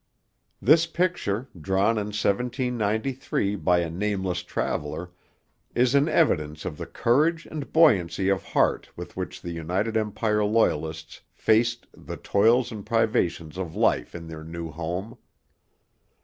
This picture, drawn in 1793 by a nameless traveller, is an evidence of the courage and buoyancy of heart with which the United Empire Loyalists faced the toils and privations of life in their new home.